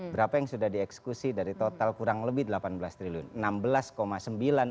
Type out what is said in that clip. berapa yang sudah dieksekusi dari total kurang lebih delapan belas triliun